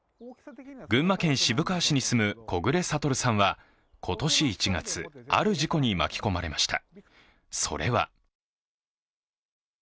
群馬県渋川市に住む木暮暁さんは今年１月、ある事故に巻き込まれました。